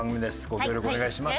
ご協力お願いします。